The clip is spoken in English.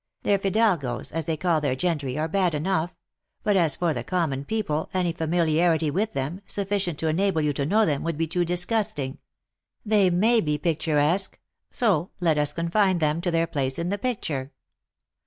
" Their fidalgos, as they call their gentry, are bad enough ; but as for the common people, any familiarity with them, sufficient to enable you to know them, would be too disgusting. They may be picturesque; so let us confine them to their place in the picture.